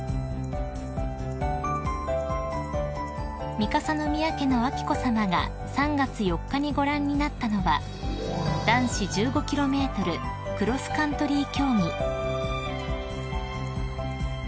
［三笠宮家の彬子さまが３月４日にご覧になったのは男子１５ｋｍクロスカントリー競技］